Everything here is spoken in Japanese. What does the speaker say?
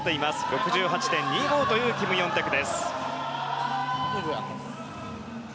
６８．２５というキム・ヨンテク。